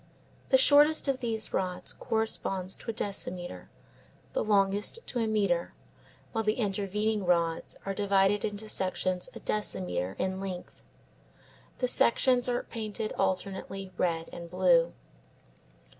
The shortest of these rods corresponds to a decimetre, the longest to a metre, while the intervening rods are divided into sections a decimetre in length. The sections are painted alternately red and blue.